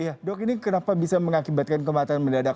iya dok ini kenapa bisa mengakibatkan kematian mendadak